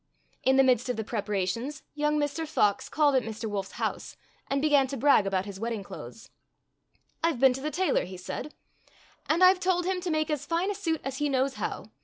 In the midst of the preparations young Mr. Fox called at Mr. Wolf's house and be gan to brag about his wedding clothes. " I 've been to the tailor," he said, "and I've told him to make as fine a suit as he knows how.